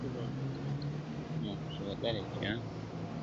زه يې په هر ټال کي اویا زره غمونه وينم.